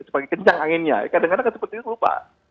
semakin kencang anginnya kadang kadang seperti itu lupa